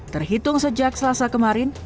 terhitung sejak selasa kemarin